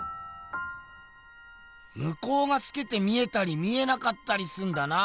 むこうがすけて見えたり見えなかったりすんだな。